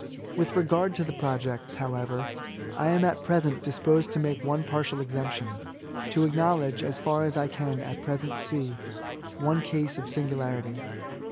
With regard to the projects, however, I am at present disposed to make one partial exception — r to acknowledge, as far as I can at present see, one case of singularity.